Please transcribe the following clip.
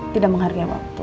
tidak menghargai waktu